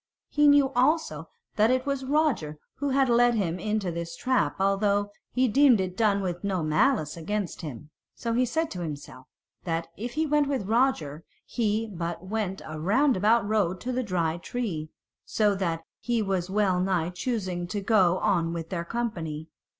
He knew also that it was Roger who had led him into this trap, although he deemed it done with no malice against him. So he said to himself that if he went with Roger he but went a roundabout road to the Dry Tree; so that he was well nigh choosing to go on with their company.